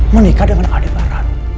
menikah dengan adik barat